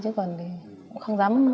chứ còn không dám